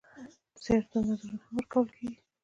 د زیارتونو نذرونه هم ورکول کېږي.